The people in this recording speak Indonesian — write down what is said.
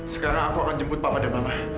sekarang aku akan jemput papa dan mama